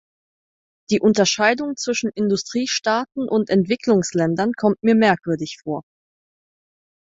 Die Unterscheidung zwischen Industriestaaten und Entwicklungsländern kommt mir merkwürdig vor.